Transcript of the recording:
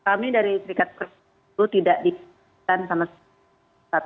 kami dari serikat pekerjaan buruh tidak disimpulkan sama serikat